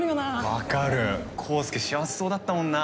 わかるコウスケ幸せそうだったもんな。